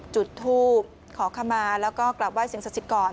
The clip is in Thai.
จุดทูบขอขมาแล้วก็กลับไห้สิ่งศักดิ์สิทธิ์ก่อน